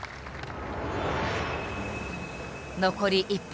残り１本。